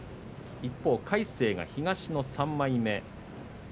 一方、魁聖は東の３枚目。